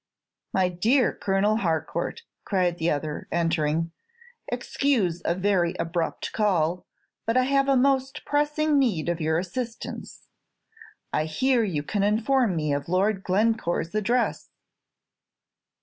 "My dear Colonel Harcourt," cried the other, entering, "excuse a very abrupt call; but I have a most pressing need of your assistance. I hear you can inform me of Lord Glencore's address."